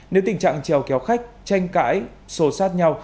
nếu tình trạng trèo kéo khách tranh cãi sồ sát nhau